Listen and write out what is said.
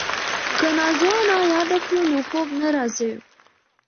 که نازو انا یاده کړو نو خوب نه راځي.